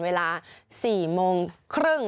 เวลา๐๐ครึ่ง